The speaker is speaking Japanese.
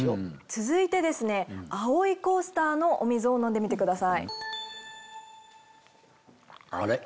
続いてですね青いコースターのお水を飲んでみてください。あれ？